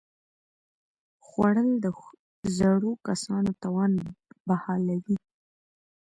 خوړل د زړو کسانو توان بحالوي